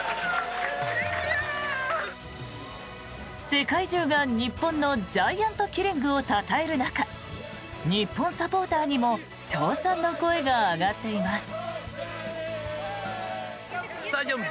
世界中が日本のジャイアントキリングをたたえる中日本サポーターにも称賛の声が上がっています。